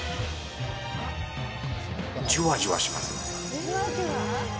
じゅわじゅわしますね。